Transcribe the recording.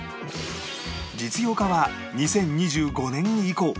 実用化は２０２５年以降